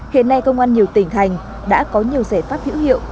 hiện nay công an nhiều tỉnh thành đã có nhiều giải pháp hữu hiệu